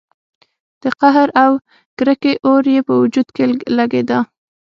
د قهر او کرکې اور يې په وجود کې لګېده.